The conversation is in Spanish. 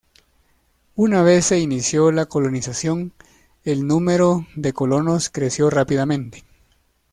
Una vez se inició la colonización, el número de colonos creció rápidamente.